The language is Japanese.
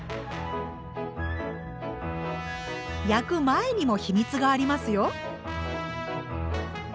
焼く前にも秘密がありますよ。